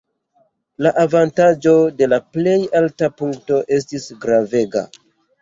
La avantaĝo de la plej alta punkto estis gravega.